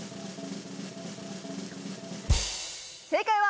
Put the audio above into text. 正解は。